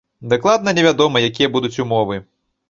Дакладна невядома, якія будуць умовы.